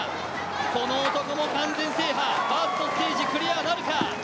この男も完全制覇、ファーストステージクリアなるか。